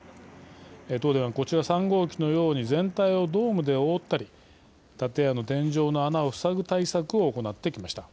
東電はこちら３号機のように全体をドームで覆ったり建屋の天井の穴を塞ぐ対策を行ってきました。